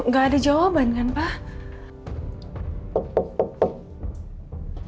gak ada jawaban kan pak